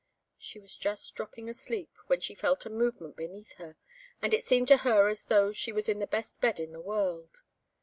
She was just dropping asleep, when she felt a movement beneath her, and it seemed to her as though she was in the best bed in the world.